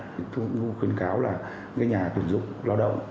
chúng tôi khuyến cáo là nhà tuyển dụng lao động